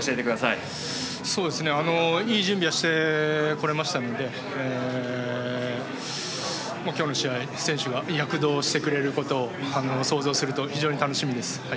いい準備はしてこれましたので今日の試合、選手が躍動してくれることを想像すると非常に楽しみです。